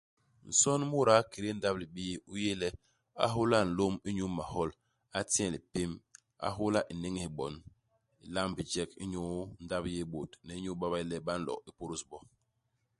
Nson u muda i kédé ndap-libii u yé le, a hôla nlôm inyu mahol, a ti nye lipém, a hôla inéñés bon, ilamb bijek inyu ndap-yéé-bôt ni inyu ba ba yé le ba nlo ipôdôs bo.